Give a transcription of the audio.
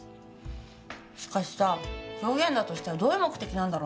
しかしさ狂言だとしたらどういう目的なんだろうね？